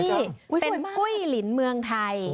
อุ้ยสวยจังอุ้ยสวยมากเป็นกุ้ยลินเมืองไทย